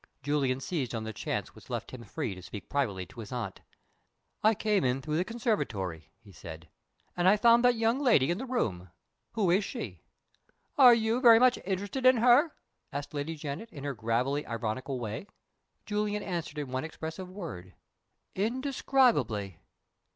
Julian seized on the chance which left him free to speak privately to his aunt. "I came in through the conservatory," he said. "And I found that young lady in the room. Who is she?" "Are you very much interested in her?" asked Lady Janet, in her gravely ironical way. Julian answered in one expressive word. "Indescribably!"